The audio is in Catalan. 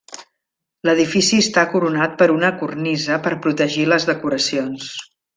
L'edifici està coronat per una cornisa per protegir les decoracions.